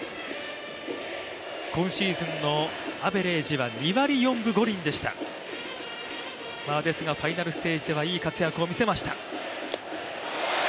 今シーズンのアベレージは２割４分５厘でした、ですがファイナルステージではいい活躍を見せました。